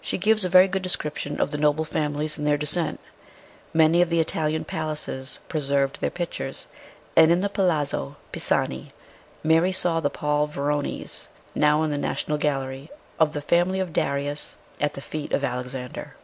She gives a very good description of the noble families and their descent. Many of the Italian palaces preserved their pictures, and in the Palazzo Pisani Mary saw the Paul Veronese, now in the National Gallery, of "The family of Darius at the feet of Alexander."